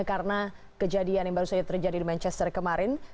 karena kejadian yang baru saja terjadi di manchester kemarin